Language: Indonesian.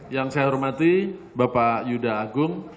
yang saya hormati bapak yuda agung